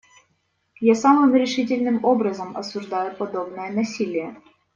Я самым решительным образом осуждаю подобное насилие.